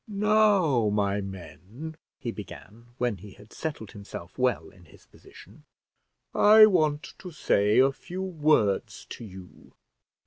"Now, my men," he began, when he had settled himself well in his position, "I want to say a few words to you.